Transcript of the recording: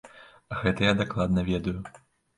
Гэта я дакладна ведаю.